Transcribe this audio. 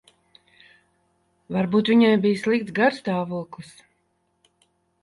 Varbūt viņai bija slikts garastāvoklis.